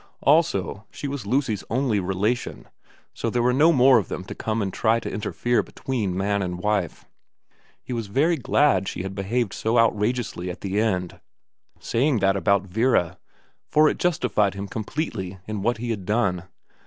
Also she was Lucy's only relation, so there were no more of them to come and try to interfere between man and wife. He was very glad she had behaved so outrageously at the end saying that about Vera, for it justified him completely in what he had done.